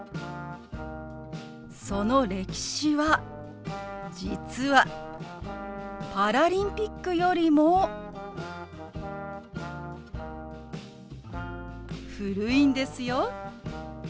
その歴史は実はパラリンピックよりも古いんですよ。